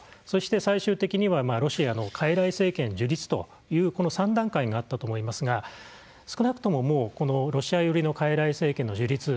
そして最終的にはロシアのかいらい政権樹立というこの３段階があったと思いますが少なくともロシア寄りのかいらい政権の樹立。